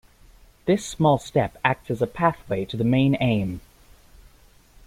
This small step acts as a path way to the main aim.